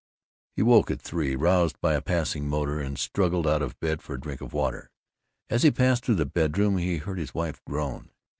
He woke at three, roused by a passing motor, and struggled out of bed for a drink of water. As he passed through the bedroom he heard his wife groan.